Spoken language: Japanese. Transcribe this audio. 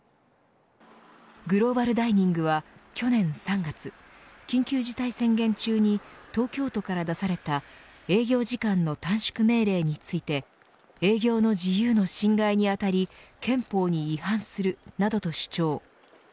グローバルダイニングは去年３月緊急事態宣言中に東京都から出された営業時間の短縮命令について営業の自由の侵害にあたり憲法に違反するなどと主張。